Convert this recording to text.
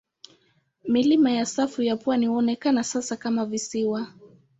Milima ya safu ya pwani huonekana sasa kama visiwa.